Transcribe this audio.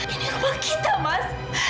ini rumah kita mas